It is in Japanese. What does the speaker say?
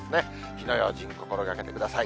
火の用心、心がけてください。